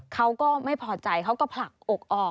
เขาก็ไม่พอใจเขาก็ผลักอกออก